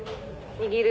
握る。